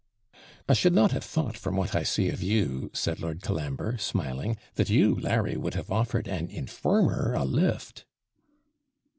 'I should not have thought, from what I see of you,' said Lord Colambre, smiling, 'that you, Larry, would have offered an informer a lift.'